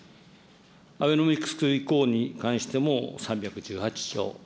アベノミクス以降に関しても、３１８兆。